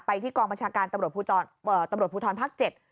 ไปที่กองบริชาการปุทธรปุทธรพพ๗